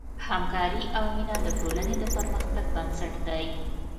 همکاري او مینه د ټولنې د پرمختګ بنسټ دی.